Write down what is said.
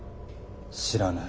知らない。